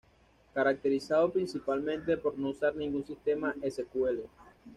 Caracterizado principalmente por no usar ningún sistema sql.